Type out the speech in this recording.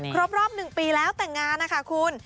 ครบรอบ๑ปีแล้วแต่งงานนะคะคุณ